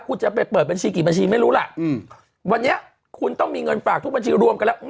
คุณจะไปเปิดบัญชีกี่บัญชีไม่รู้ล่ะวันนี้คุณต้องมีเงินฝากทุกบัญชีรวมกันแล้ว